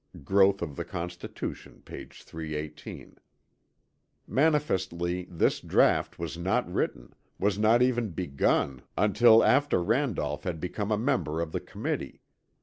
(Growth of the Constitution, p. 318.) Manifestly this draught was not written was not even begun, until after Randolph had become a member of the Committee.